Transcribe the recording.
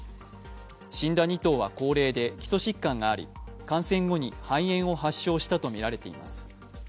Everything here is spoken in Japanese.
死んだ２頭は高齢で基礎疾患があり感染後に肺炎を発症したとみられています。